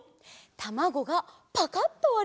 たまごがパカッとわれたら。